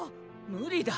無理だ。